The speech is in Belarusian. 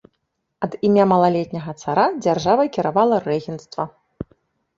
Ад імя малалетняга цара дзяржавай кіравала рэгенцтва.